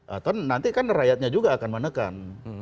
atau nanti kan rakyatnya juga akan menekan